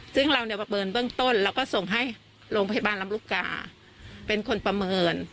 ซึ่งเราประเมินเบื้องต้นเราก็ส่งให้โรงพยาบาลรำรุกาเป็นคนประเมิน